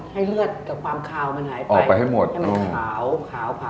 ให้เลือดกับความคาวมันหายไปออกไปให้หมดโอ้โห